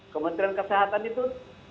kementerian kesehatan itu kalau dibiarkan sendiri